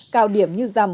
cao điểm như rằm